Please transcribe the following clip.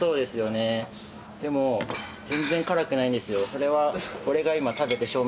それは。